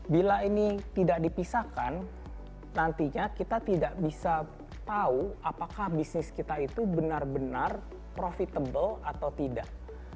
bila ini tidak dipisahkan nantinya kita tidak bisa tahu apakah bisnis kita itu benar benar profitable atau tidak